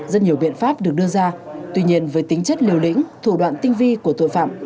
rất nhiều biện pháp được đưa ra tuy nhiên với tính chất liều lĩnh thủ đoạn tinh vi của tội phạm